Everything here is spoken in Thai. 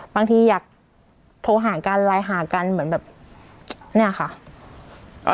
บางทีอยากโทรหากันไลน์หากันเหมือนแบบเนี่ยค่ะ